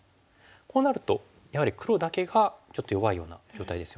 こうなるとやはり黒だけがちょっと弱いような状態ですよね。